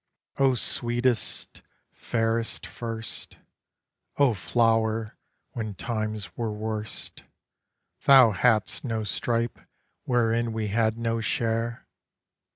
O sweetest, fairest, first, O flower, when times were worst, Thou hadst no stripe wherein we had no share.